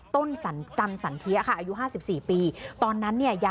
ต้นสันตันสันเทียค่ะอายุห้าสิบสี่ปีตอนนั้นเนี่ยยา